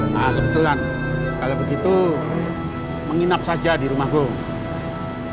nah kebetulan kalau begitu menginap saja di rumah gue